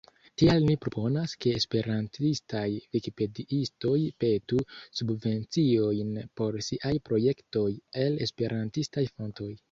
Tial li proponas, ke esperantistaj vikipediistoj petu subvenciojn por siaj projektoj el esperantistaj fontoj.